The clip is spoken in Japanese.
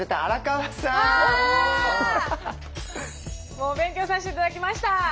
もう勉強させて頂きました。